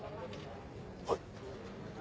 はい。